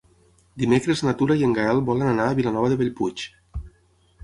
Dimecres na Tura i en Gaël volen anar a Vilanova de Bellpuig.